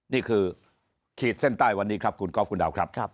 นี่คือขีดเส้นใต้วันนี้ครับคุณก๊อฟคุณดาวครับ